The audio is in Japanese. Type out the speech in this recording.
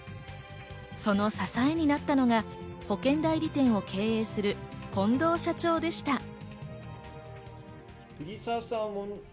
その支えになったのが保険代理店を経営する近藤社長でした。